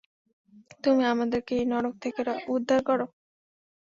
তুমি আমাদেরকে এই নরক থেকে উদ্ধার করো।